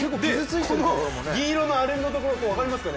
この、銀色のアルミのところ分かりますか？